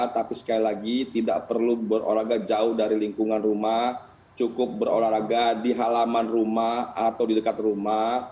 tapi sekali lagi tidak perlu berolahraga jauh dari lingkungan rumah cukup berolahraga di halaman rumah atau di dekat rumah